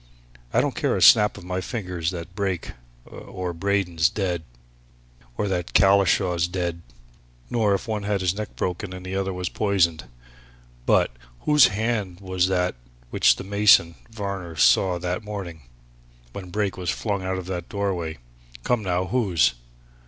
I don't care a snap of my fingers that Brake, or Braden's dead, or that Collishaw's dead, nor if one had his neck broken and the other was poisoned, but whose hand was that which the mason, Varner, saw that morning, when Brake was flung out of that doorway? Come, now! whose?"